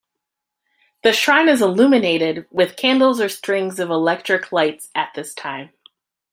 The shrine is illuminated with candles or strings of electric lights at this time.